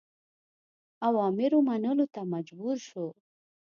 اوامرو منلو ته مجبور شو.